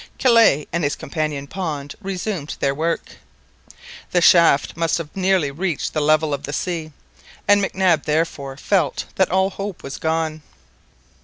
Kellet and his companion Pond resumed their work. The shaft must have nearly reached the level of the sea, and Mac Nab therefore felt that all hope was gone.